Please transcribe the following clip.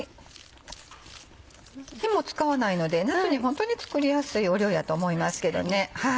手も使わないので夏にホントに作りやすい料理やと思いますけどね。